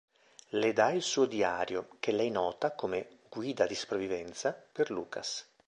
Le dà il suo diario che lei nota come 'Guida di sopravvivenza' per Lucas.